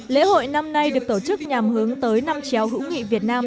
lễ hội năm nay được tổ chức nhằm hướng tới năm trèo hữu nghị việt nam